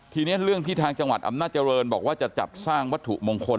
ทีนี้เรื่องที่ทางจังหวัดอำนาจริงบอกว่าจะจัดสร้างวัตถุมงคล